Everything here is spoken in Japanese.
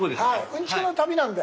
うんちくの旅なんで。